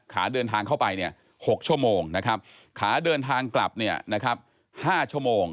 ขาเดินทางเข้าไป๖ชั่วโมงนะครับขาเดินทางกลับ๕ชั่วโมง